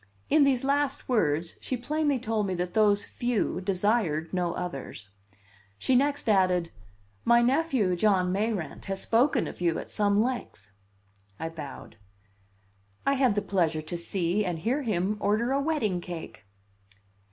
In these last words she plainly told me that those "few" desired no others. She next added: "My nephew, John Mayrant, has spoken of you at some length." I bowed. "I had the pleasure to see and hear him order a wedding cake."